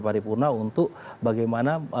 paripurna untuk bagaimana